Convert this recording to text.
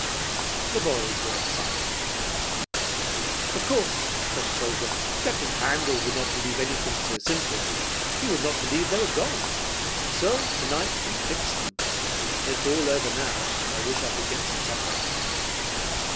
The boys were silent. "Of course," said the soldier, "Captain Handel would not believe anything so simple. He would not believe they were gone, so tonight he fixed them. It is all over now, and I wish I could go get some supper."